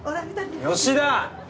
吉田！